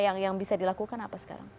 yang bisa dilakukan apa sekarang